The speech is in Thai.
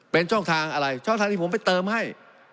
เป็นช่องทางอะไรช่องทางที่ผมไปเติมให้